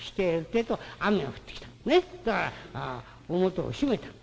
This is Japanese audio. だから表を閉めたの。